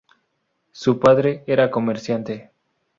Su padre era comerciante.